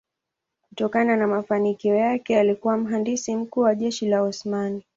Kutokana na mafanikio yake alikuwa mhandisi mkuu wa jeshi la Osmani.